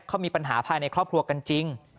เขามีปัญหาภายในครอบครัวกันจริง